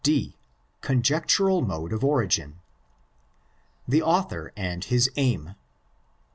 D.—Conjectural Mode of Origin. The Author and his Aim.